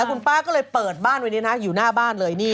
คุณป้าก็เลยเปิดบ้านอยู่หน้าเรือ